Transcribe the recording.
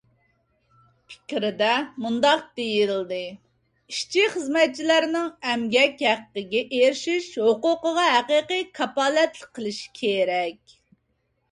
پىكىردە مۇنداق دېيىلدى: ئىشچى- خىزمەتچىلەرنىڭ ئەمگەك ھەققىگە ئېرىشىش ھوقۇقىغا ھەقىقىي كاپالەتلىك قىلىش كېرەك.